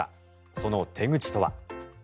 その手口とは。